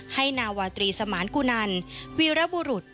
นาวาตรีสมานกุนันวีรบุรุษ